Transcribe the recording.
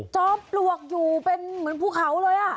ปลวกอยู่เป็นเหมือนภูเขาเลย